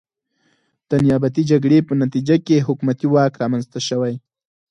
د نیابتي جګړې په نتیجه کې حکومتي واک رامنځته شوی.